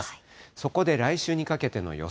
そこで来週にかけての予想